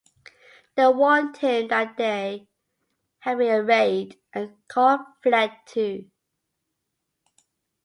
They warned him that there had been a raid, and Coll fled, too.